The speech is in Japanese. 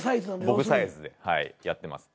僕サイズでやってます。